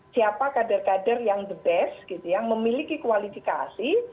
siapa kader kader yang the best gitu yang memiliki kualifikasi